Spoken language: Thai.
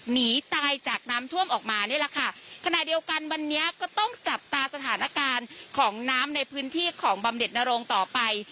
หนีตายจากน้ำท่วมออกมานี่แหละค่ะขณะเดียวกันวันนี้ก็ต้องจับตาสถานการณ์ของน้ำในพื้นที่ของบำเด็ดนโรงต่อไป